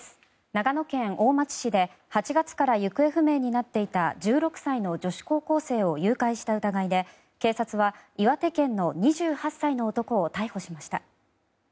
長野県大町市で８月から行方不明になっていた１６歳の女子高校生を誘拐した疑いで警察は岩手県の２８歳の男を逮捕しました。